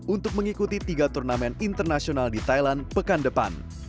untuk mengikuti tiga turnamen internasional di thailand pekan depan